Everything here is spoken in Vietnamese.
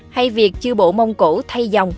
hay việc chư bộ mông cổ thay dòng